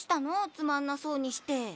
つまんなそうにして。